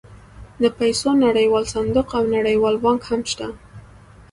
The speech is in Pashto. د پیسو نړیوال صندوق او نړیوال بانک هم شته